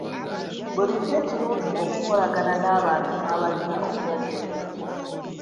Bulijjo kirungi okukolagana n'abantu abalina obulwadde buno.